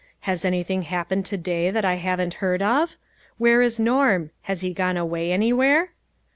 Has anything happened to day that I haven't heard of? Where is Norm? Has he gone away anywhere?"